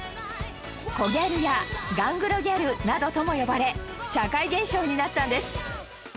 コギャルやガングロギャルなどとも呼ばれ社会現象になったんです